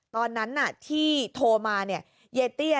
ตอนนั้นที่โทรมาเนี่ย